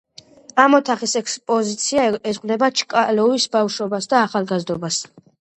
ამ ოთახის ექსპოზიცია ეძღვნება ჩკალოვის ბავშვობას და ახალგაზრდობას.